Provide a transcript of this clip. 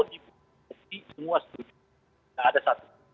tidak ada satu